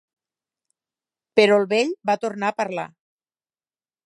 Però el vell va tornar a parlar.